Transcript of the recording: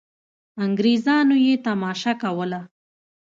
انګرېزانو یې تماشه کوله.